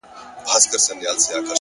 هره تجربه نوی لیدلوری بښي!